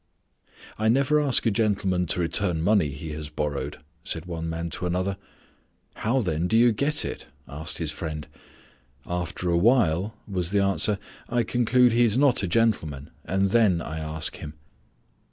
"I never ask a gentleman to return money he has borrowed," said one man to another. "How then do you get it?" asked his friend. "After a while," was the answer, "I conclude he is not a gentleman, and then I ask him."